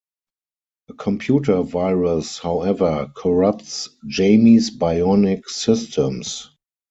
A computer virus, however, corrupts Jaime's bionic systems.